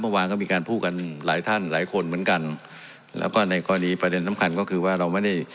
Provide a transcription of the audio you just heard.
เมื่อวานก็มีการพูดกันหลายท่านหลายคนเหมือนกันแล้วก็ในกรณีประเด็นสำคัญก็คือว่าเราไม่ได้